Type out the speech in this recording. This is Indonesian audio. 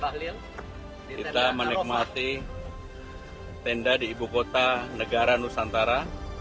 kita menikmati tenda di ibu kota negara nusantara